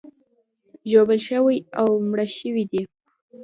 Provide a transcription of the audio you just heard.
ژوبل شوي او مړه شوي دي.